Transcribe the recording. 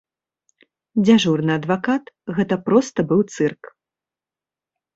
Дзяжурны адвакат гэта проста быў цырк.